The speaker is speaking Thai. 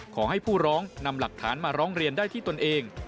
ขอให้ผู้ร้องนำหลักฐานมาร้องเรียนได้ที่ตนเอง